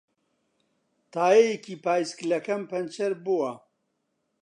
تایەیەکی پایسکلەکەم پەنچەر بووە.